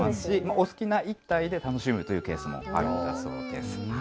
お好きな１体で楽しむというケースもあるんだそうです。